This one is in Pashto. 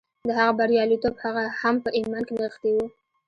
د هغه بریالیتوب هم په ایمان کې نغښتی و